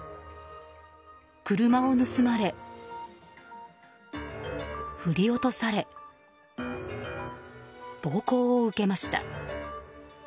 車を盗まれ、振り落とされ暴行を受けました。